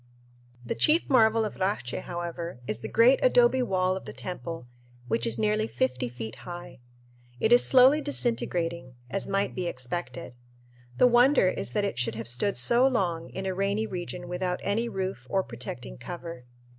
The chief marvel of Racche, however, is the great adobe wall of the temple, which is nearly fifty feet high. It is slowly disintegrating, as might be expected. The wonder is that it should have stood so long in a rainy region without any roof or protecting cover.